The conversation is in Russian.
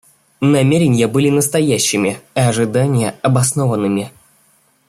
Намерения были настоящими, а ожидания обоснованными.